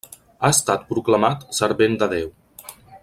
Ha estat proclamat servent de Déu.